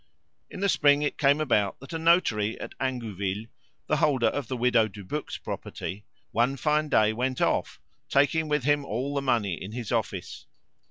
In the spring it came about that a notary at Ingouville, the holder of the widow Dubuc's property, one fine day went off, taking with him all the money in his office.